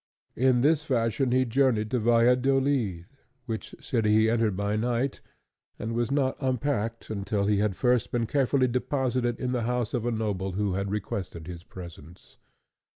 In this fashion he journeyed to Valladolid, which city he entered by night, and was not unpacked until he had first been carefully deposited in the house of the noble who had requested his presence.